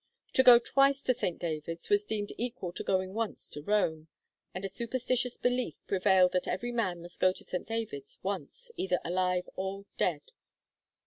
To go twice to St. David's was deemed equal to going once to Rome, and a superstitious belief prevailed that every man must go to St. David's once, either alive or dead.